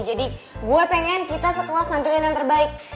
jadi gue pengen kita sekolah nampilin yang terbaik